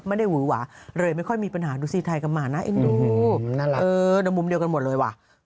ไม่ได้หูหวาเลยไม่ค่อยมีปัญหาดูสิไทยกับหมานะเอ็นดูมุมเดียวกันหมดเลยว่ะ